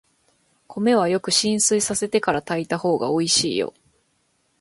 米はよく浸水させてから炊いたほうがおいしいよ。